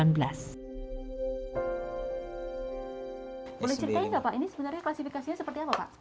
boleh ceritain nggak pak ini sebenarnya klasifikasinya seperti apa pak